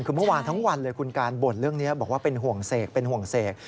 คือเมื่อวานทั้งวันเลยคุณการบ่นเรื่องนี้บอกว่าเป็นห่วงเสกเป็นห่วงเสก